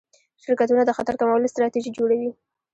شرکتونه د خطر کمولو ستراتیژي جوړوي.